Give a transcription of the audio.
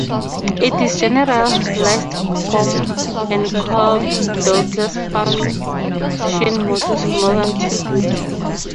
In its generalized form, the Cobb-Douglas function models more than two goods.